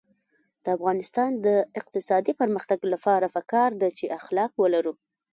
د افغانستان د اقتصادي پرمختګ لپاره پکار ده چې اخلاق ولرو.